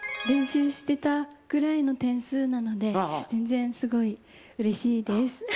練習してたくらいの点数なので全然すごいうれしいです。